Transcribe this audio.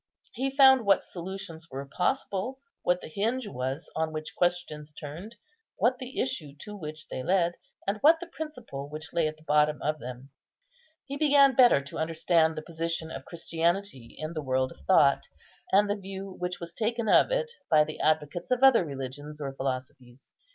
He found what solutions were possible, what the hinge was on which questions turned, what the issue to which they led, and what the principle which lay at the bottom of them. He began better to understand the position of Christianity in the world of thought, and the view which was taken of it by the advocates of other religions or philosophies.